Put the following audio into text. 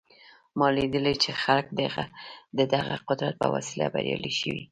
ما لیدلي چې خلک د دغه قدرت په وسیله بریالي شوي